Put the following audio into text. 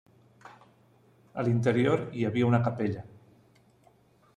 A l'interior hi havia una capella.